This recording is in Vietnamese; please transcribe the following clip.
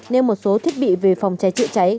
nêu một số thiết bị về phòng cháy chữa cháy